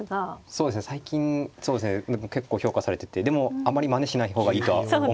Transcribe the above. そうですね最近結構評価されててでもあまりまねしない方がいいとは思います。